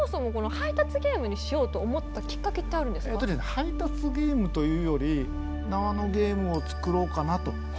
配達ゲームというより縄のゲームをつくろうかなと。